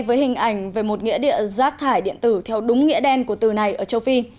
với hình ảnh về một nghĩa địa rác thải điện tử theo đúng nghĩa đen của từ này ở châu phi